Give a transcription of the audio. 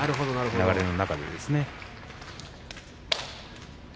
流れの中でですね。